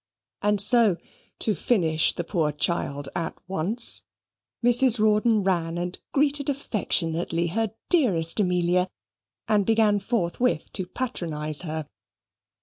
And so, to finish the poor child at once, Mrs. Rawdon ran and greeted affectionately her dearest Amelia, and began forthwith to patronise her.